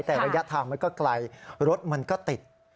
แต่ระยะทางมันก็ไกลรถมันก็ติด